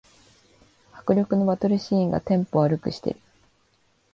迫力のバトルシーンがテンポ悪くしてる